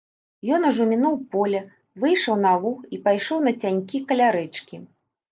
Ён ужо мінуў поле, выйшаў на луг і пайшоў нацянькі, каля рэчкі.